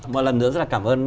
một lần nữa rất là cảm ơn